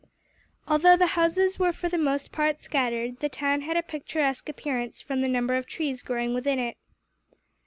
Although the houses were for the most part scattered, the town had a picturesque appearance, from the number of trees growing within it.